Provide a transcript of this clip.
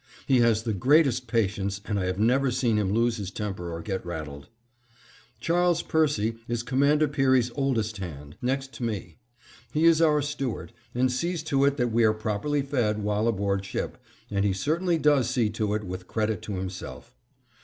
He has the greatest patience, and I have never seen him lose his temper or get rattled. Charley Percy is Commander Peary's oldest hand, next to me. He is our steward, and sees to it that we are properly fed while aboard ship, and he certainly does see to it with credit to himself.